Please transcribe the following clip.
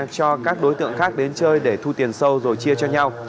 cho các đối tượng khác đến chơi để thu tiền sâu rồi chia cho nhau